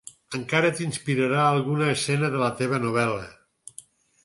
Encara t'inspirarà alguna escena de la teva novel·la.